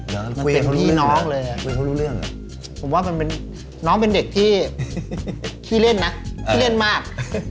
มันเป็นพี่น้องเลยคุยเขารู้เรื่องอ่ะผมว่ามันเป็นน้องเป็นเด็กที่ขี้เล่นนะขี้เล่นมาก